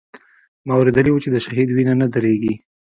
ما اورېدلي و چې د شهيد وينه نه درېږي.